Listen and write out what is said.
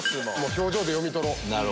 表情で読み取ろう。